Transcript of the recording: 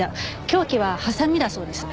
凶器はハサミだそうです。